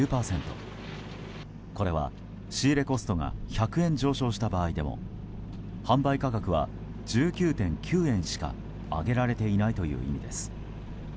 これは、仕入れコストが１００円上昇した場合でも販売価格は１９．９円しか上げられていないという意味です。